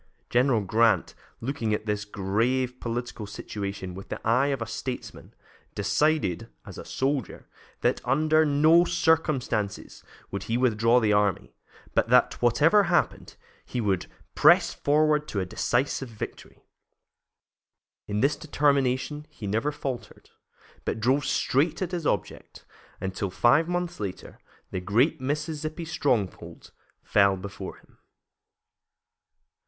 General Grant, looking at this grave political situation with the eye of a statesman, decided, as a soldier, that under no circumstances would he withdraw the army, but that, whatever happened, he would "press forward to a decisive victory." In this determination he never faltered, but drove straight at his object until, five months later, the great Mississippi stronghold fell before him.